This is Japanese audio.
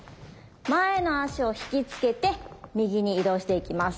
前の足を引きつけて右に移動していきます。